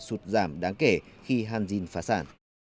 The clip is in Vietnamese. sụt giảm đáng kể khi hanjin phá sản